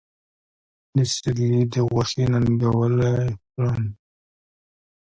د سېرلي د غوښې ننګولی خورم